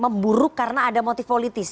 memburuk karena ada motif politis